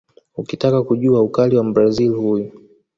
Ukitakata kujua ukali wa Mbrazil huyu